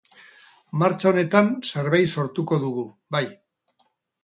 Martxa honetan zerbait sortuko dugu, bai.